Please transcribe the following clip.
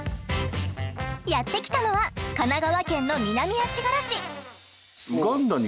やって来たのは神奈川県の南足柄市。